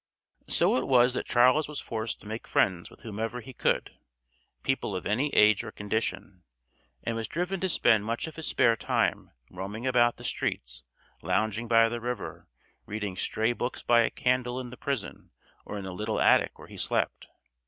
So it was that Charles was forced to make friends with whomever he could, people of any age or condition, and was driven to spend much of his spare time roaming about the streets, lounging by the river, reading stray books by a candle in the prison or in the little attic where he slept.